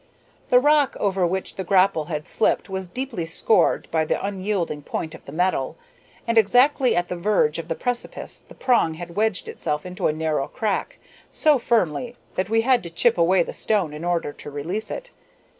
The rock over which the grapple had slipped was deeply scored by the unyielding point of the metal, and exactly at the verge of the precipice the prong had wedged itself into a narrow crack, so firmly that we had to chip away the stone in order to release it.